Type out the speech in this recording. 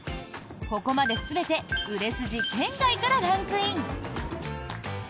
ここまで全て売れ筋圏外からランクイン。